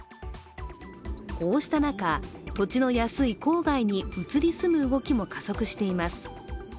こうした中、土地の安い郊外に移り住む動きも加速しています。